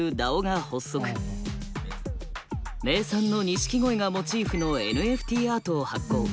名産の錦鯉がモチーフのＮＦＴアートを発行。